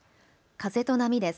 風と波です。